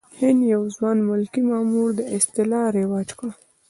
د هند یو ځوان ملکي مامور دا اصطلاح رواج کړه.